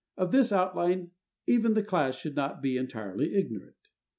Of this outline, even the class should not be entirely ignorant.